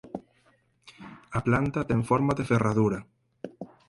A planta ten forma de ferradura.